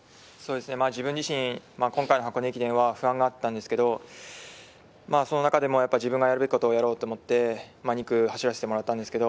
自分自身、今回の箱根駅伝は不安があったんですけれど、その中でも自分がやるべきことをやろうと思って、２区を走らせてもらいました。